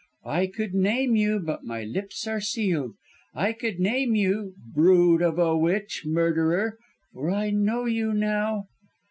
I could name you, but my lips are sealed I could name you, brood of a witch, murderer, for I know you now."